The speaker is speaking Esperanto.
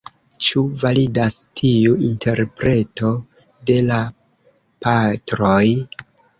Ĉu validas tiu interpreto de la Patroj?